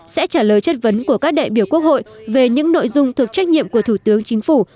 sẽ trả lời chất vấn của các đại biểu quốc hội về những nội dung thuộc trách nhiệm của thủ tướng chính phủ